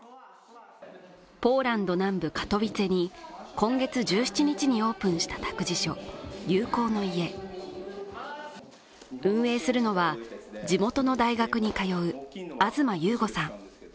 ポーランド南部カトウィツェに今月１７日にオープンした託児所・友好の家運営するのは地元の大学に通う東優悟さん